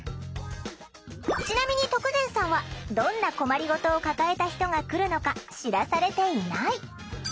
ちなみに徳善さんはどんな困りごとを抱えた人が来るのか知らされていない。